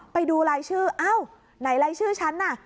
ไปดูรายชื่ออ้าวไหนรายชื่อฉันน่ะ